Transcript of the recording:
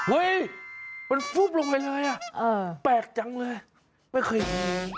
เฮ้ยมันฟุ๊บลงไปเลยอ่ะแปลกจังเลยไม่เคยเห็น